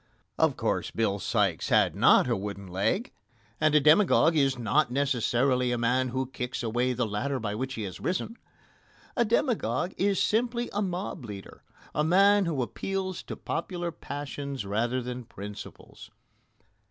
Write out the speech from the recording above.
Of course, Bill Sikes had not a wooden leg, and a demagogue is not necessarily a man who kicks away the ladder by which he has risen. A demagogue is simply a mob leader a man who appeals to popular passions rather than principles.